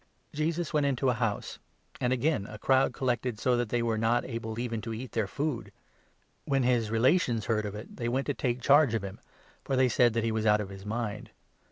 Jesus went into a house ; and again a crowd 20 and his collected, so that they were not able even to eat Relations, their food. When his relations heard of it, they 21 went to take charge of him, for they said that he was out of .his mind.